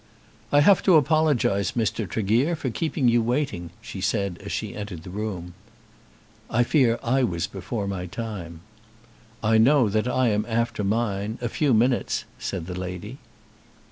"I have to apologise, Mr. Tregear, for keeping you waiting," she said as she entered the room. "I fear I was before my time." "I know that I am after mine, a few minutes," said the lady.